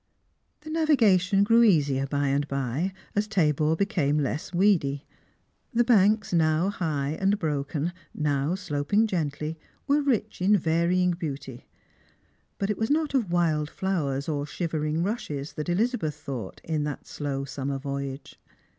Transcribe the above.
The navigation grew easier by and by, as Tabor became less weedy. The banks, now high and broken, now sloping gently, were rich in varying beauty; but it was not of wild flowers or shivering rushes that Elizabeth thought in that slow summer voyage.